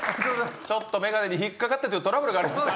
ちょっとメガネに引っかかってというトラブルがありましたから。